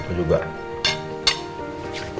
oh ya mau berangkat kok